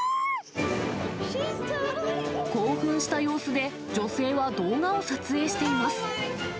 興奮した様子で、女性は動画を撮影しています。